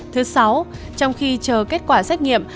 thứ sáu trong khi chờ kết quả xét nghiệm